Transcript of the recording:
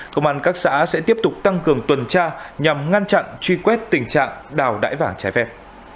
công an các xã sẽ tiếp tục tăng cường tuần tra nhằm ngăn chặn truy quét tình trạng đào đải vàng trái phép